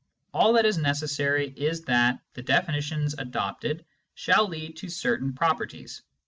All that is necessary is that the defini tions adopted shall lead to certain properties.